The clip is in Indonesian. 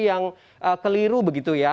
yang keliru begitu ya